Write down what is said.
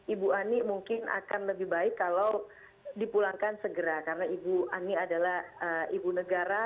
ibu ani mungkin akan lebih baik kalau dipulangkan segera karena ibu ani adalah ibu negara